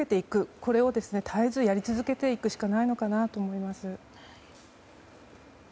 これを絶えずやり続けていくしかないのかなと思います。